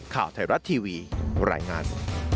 ข่าวไทยรัฐทีวีรายงาน